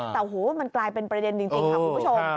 แต่โหมันกลายเป็นประเด็นจริงค่ะคุณผู้ชม